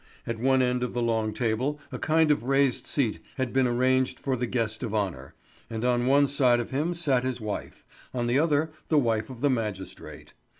At one end of the long table a kind of raised seat had been arranged for the guest of honour; and on one side of him sat his wife, on the other the wife of the magistrate.